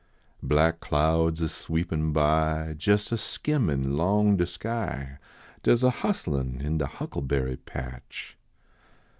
Black clouds a sweepin by, Jes a skimmin long de sky, Dar s a hustlin in de huckleberry patch.